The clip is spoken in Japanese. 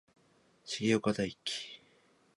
重岡大毅